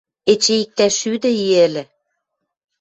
Эче иктӓ шӱдӹ и ӹлӹ...